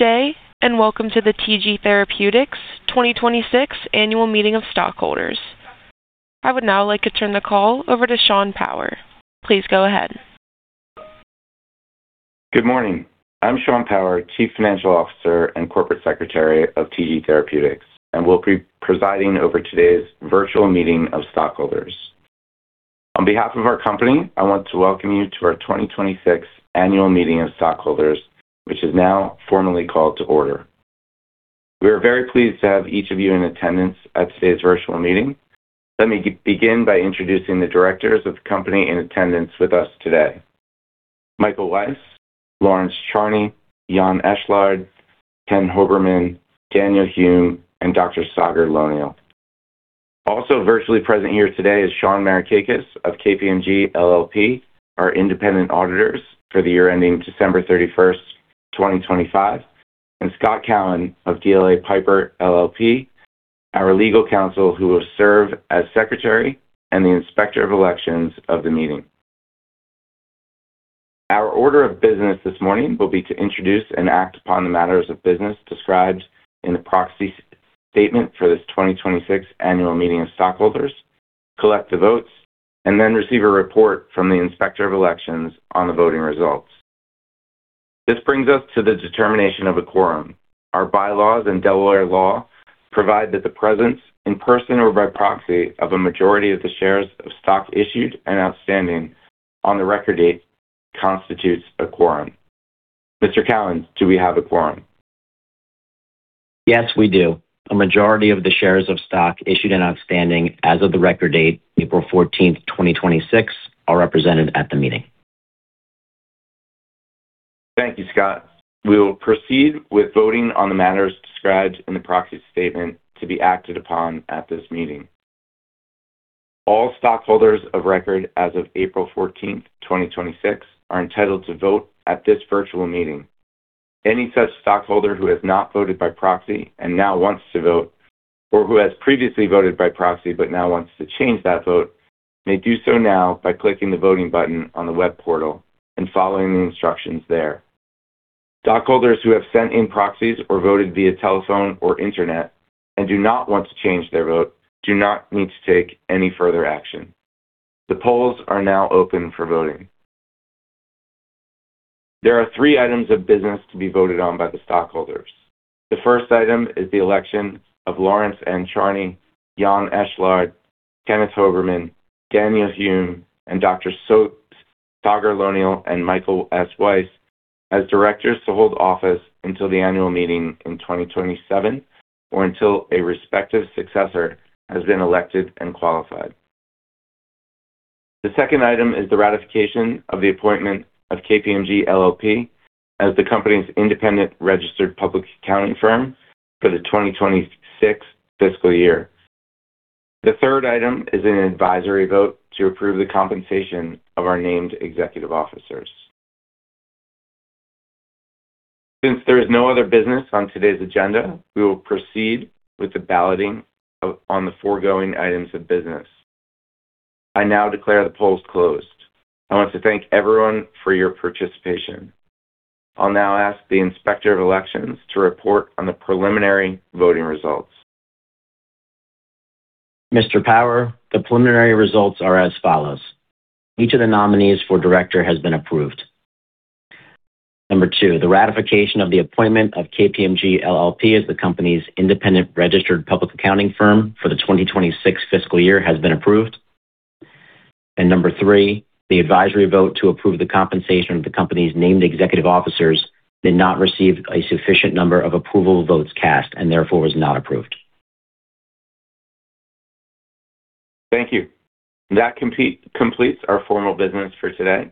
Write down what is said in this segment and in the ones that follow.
Good day, welcome to the TG Therapeutics 2026 annual meeting of stockholders. I would now like to turn the call over to Sean Power. Please go ahead. Good morning. I'm Sean Power, Chief Financial Officer and Corporate Secretary of TG Therapeutics, and will be presiding over today's virtual meeting of stockholders. On behalf of our company, I want to welcome you to our 2026 Annual Meeting of Stockholders, which is now formally called to order. We are very pleased to have each of you in attendance at today's virtual meeting. Let me begin by introducing the directors of the company in attendance with us today. Michael Weiss, Laurence Charney, Yann Echelard, Ken Hoberman, Daniel Hume, and Dr. Sagar Lonial. Also virtually present here today is Sean Markakis of KPMG LLP, our independent auditors for the year ending December 31st, 2025, and Scott Cowan of DLA Piper LLP, our legal counsel who will serve as secretary and the inspector of elections of the meeting. Our order of business this morning will be to introduce and act upon the matters of business described in the proxy statement for this 2026 Annual Meeting of Stockholders, collect the votes, receive a report from the inspector of elections on the voting results. This brings us to the determination of a quorum. Our bylaws and Delaware law provide that the presence, in person or by proxy, of a majority of the shares of stock issued and outstanding on the record date constitutes a quorum. Mr. Cowan, do we have a quorum? Yes, we do. A majority of the shares of stock issued and outstanding as of the record date, April 14th, 2026, are represented at the meeting. Thank you, Scott. We will proceed with voting on the matters described in the proxy statement to be acted upon at this meeting. All stockholders of record as of April 14th, 2026, are entitled to vote at this virtual meeting. Any such stockholder who has not voted by proxy and now wants to vote, or who has previously voted by proxy but now wants to change that vote, may do so now by clicking the voting button on the web portal and following the instructions there. Stockholders who have sent in proxies or voted via telephone or internet and do not want to change their vote do not need to take any further action. The polls are now open for voting. There are three items of business to be voted on by the stockholders. The first item is the election of Laurence N. Charney, Yann Echelard, Kenneth Hoberman, Daniel Hume, and Dr. Sagar Lonial, and Michael S. Weiss as directors to hold office until the annual meeting in 2027 or until a respective successor has been elected and qualified. The second item is the ratification of the appointment of KPMG LLP as the company's independent registered public accounting firm for the 2026 fiscal year. The third item is an advisory vote to approve the compensation of our named executive officers. There is no other business on today's agenda, we will proceed with the balloting on the foregoing items of business. I now declare the polls closed. I want to thank everyone for your participation. I'll now ask the inspector of elections to report on the preliminary voting results. Mr. Power, the preliminary results are as follows. Each of the nominees for director has been approved. Number two, the ratification of the appointment of KPMG LLP as the company's independent registered public accounting firm for the 2026 fiscal year has been approved. Number three, the advisory vote to approve the compensation of the company's named executive officers did not receive a sufficient number of approval votes cast and therefore was not approved. Thank you. That completes our formal business for today.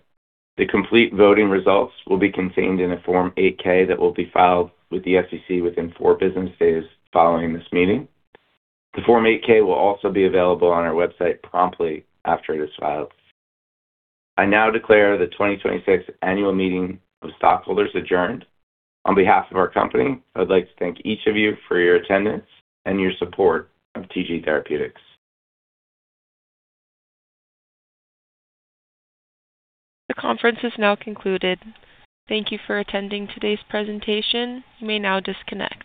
The complete voting results will be contained in a Form 8-K that will be filed with the SEC within four business days following this meeting. The Form 8-K will also be available on our website promptly after it is filed. I now declare the 2026 Annual Meeting of Stockholders adjourned. On behalf of our company, I would like to thank each of you for your attendance and your support of TG Therapeutics. The conference is now concluded. Thank you for attending today's presentation. You may now disconnect.